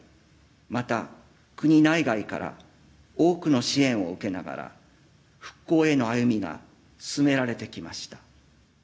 また、国内外から多くの支援を受けながら復興への歩みが進められてきました。